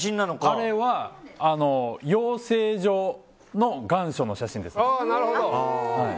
あれは養成所の願書の写真です。